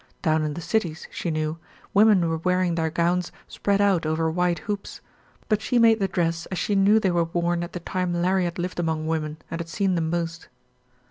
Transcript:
Down in the cities, she knew, women were wearing their gowns spread out over wide hoops, but she made the dress as she knew they were worn at the time Larry had lived among women and had seen them most.